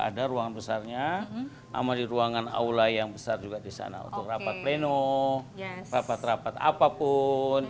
ada ruangan besarnya sama di ruangan aula yang besar juga di sana untuk rapat pleno rapat rapat apapun